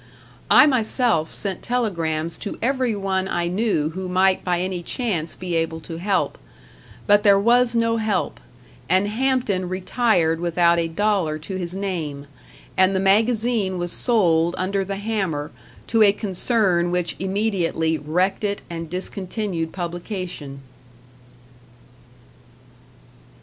I myself sent telegrams to everyone I knew who might by any chance be able to help; but there was no help, and Hampton retired without a dollar to his name, and the magazine was sold under the hammer to a concern which immediately wrecked it and discontinued publication.